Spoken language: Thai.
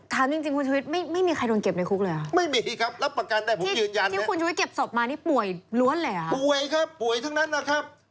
ถามจริงคุณชวิตไม่มีใครโดนเก็บในคุกเลยหรือครับ